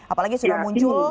apalagi sudah muncul